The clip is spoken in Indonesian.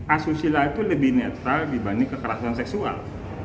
asusila itu lebih netral dibanding kekerasan seksual